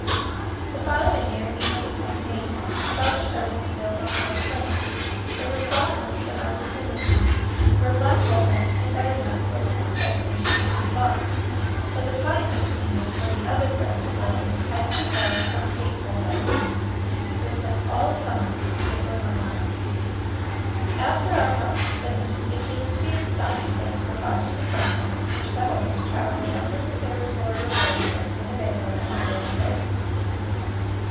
The following year, 1858 father started to build on our claim. There were sawmills in our vicinity where black walnut and butternut for the inside finishing could be bought, but the pine that was needed for the other part of the building had to be hauled from St. Paul by team. It took all summer to get the lumber down. After our house was finished it came to be the stopping place for lodging and breakfast for settlers traveling over the territorial road towards Winnebago and Blue Earth City.